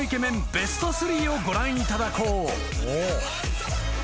ベスト３をご覧いただこう］